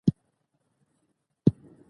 غوندې هر ماښام پټېږي.